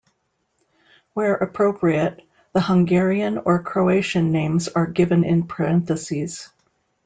Where appropriate, the Hungarian or Croatian names are given in parentheses.